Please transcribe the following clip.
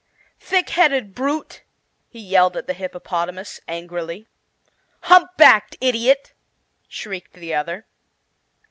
"Thick headed brute!" he yelled at the hippopotamus, angrily. "Hump backed idiot!" shrieked the other.